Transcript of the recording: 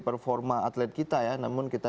performa atlet kita ya namun kita